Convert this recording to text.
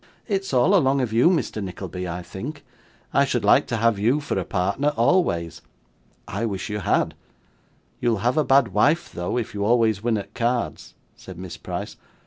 'It's all along of you, Mr. Nickleby, I think. I should like to have you for a partner always.' 'I wish you had.' 'You'll have a bad wife, though, if you always win at cards,' said Miss Price.